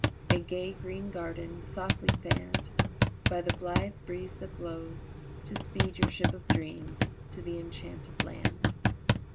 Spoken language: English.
A gay green garden, softly fanned By the blythe breeze that blows To speed your ship of dreams to the enchanted land.